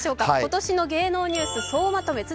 今年の芸能ニュース総まとめ。